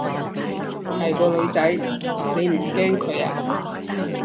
係個女仔，你唔驚佢啊？